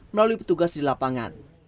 melalui petugas di lapangan